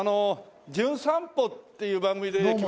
『じゅん散歩』っていう番組で来ました